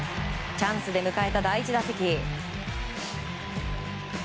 チャンスで迎えた第１打席。